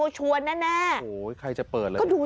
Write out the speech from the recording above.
ชัวร์แน่